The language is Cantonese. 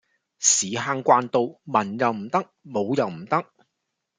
屎坑關刀文又唔得武又唔得